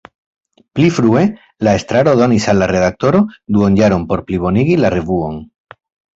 Pli frue la estraro donis al la redaktoro duonjaron por plibonigi la revuon.